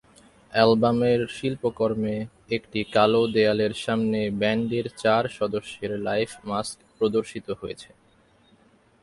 অ্যালবামের শিল্পকর্মে একটি কালো দেয়ালের সামনে ব্যান্ডের চার সদস্যের লাইফ-মাস্ক প্রদর্শিত হয়েছে।